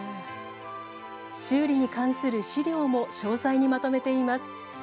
修理に関する資料も詳細にまとめています。